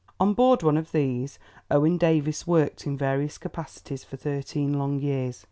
On board one of these, Owen Davies worked in various capacities for thirteen long years.